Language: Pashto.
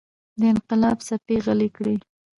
د انقلاب څپې غلې کړي.